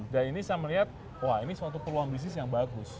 dan ini saya melihat wah ini suatu peluang bisnis yang bagus